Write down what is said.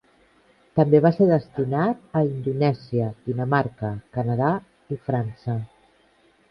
També va ser destinat a Indonèsia, Dinamarca, Canadà i França.